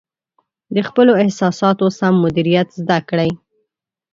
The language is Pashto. د خپلو احساساتو سم مدیریت زده کړئ.